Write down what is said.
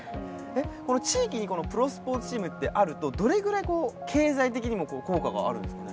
地域にプロスポーツチームってあるとどれぐらい経済的にも効果があるんですかね？